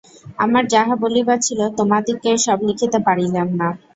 আমার যাহা বলিবার ছিল, তোমাদিগকে সব লিখিতে পারিলাম না।